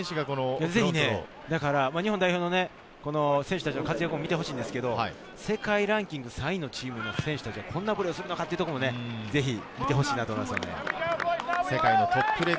日本代表の選手たちの活躍も見てほしいんですけれど、世界ランキング３位のチームの選手たちはこんなプレーをするのかっていうところもぜひ見てほしいです。